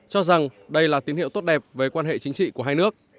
cho rằng đây là tín hiệu tốt đẹp về quan hệ chính trị của hai nước